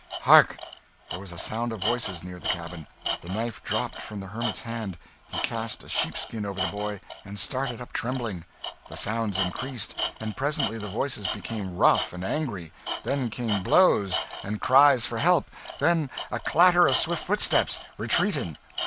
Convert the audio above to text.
Hark! There was a sound of voices near the cabin the knife dropped from the hermit's hand; he cast a sheepskin over the boy and started up, trembling. The sounds increased, and presently the voices became rough and angry; then came blows, and cries for help; then a clatter of swift footsteps, retreating.